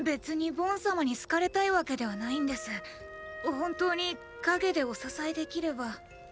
本当に陰でお支えできれば。